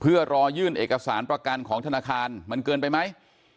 เพื่อรอยื่นเอกสารประกันของธนาคารมันเกินไปไหม